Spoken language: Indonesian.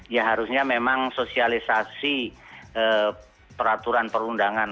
ya harusnya memang sosialisasi peraturan perundangan